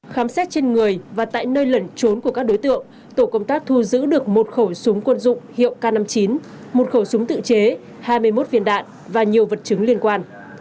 khám xét trên người và tại nơi lẩn trốn của các đối tượng tổ công tác thu giữ được một khẩu súng quân dụng hiệu k năm mươi chín một khẩu súng tự chế hai mươi một viên đạn và nhiều vật chứng liên quan